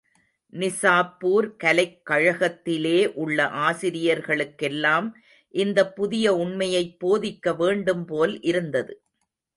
நிசாப்பூர் கலைக் கழகத்திலே உள்ள ஆசிரியர்களுக்கெல்லாம் இந்தப் புதிய உண்மையைப் போதிக்க வேண்டும்போல் இருந்தது.